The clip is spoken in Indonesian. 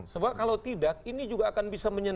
sebab kalau tidak ini juga akan bisa menyebabkan